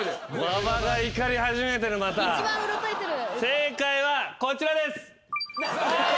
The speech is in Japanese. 正解はこちらです。